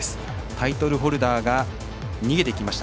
タイトルホルダーが逃げていきました。